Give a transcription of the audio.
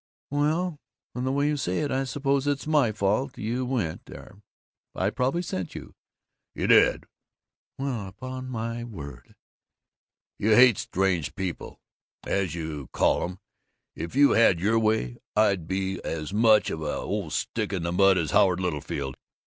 "Well From the way you say it, I suppose it's my fault you went there! I probably sent you!" "You did!" "Well, upon my word " "You hate 'strange people' as you call 'em. If you had your way, I'd be as much of an old stick in the mud as Howard Littlefield.